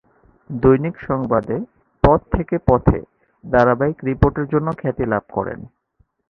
দৈনিক সংবাদে "পথ থেকে পথে" ধারাবাহিক রিপোর্টের জন্য খ্যাতি লাভ করেন।